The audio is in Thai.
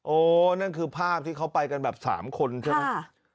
นั่นคือภาพที่เขาไปกันแบบ๓คนใช่ไหม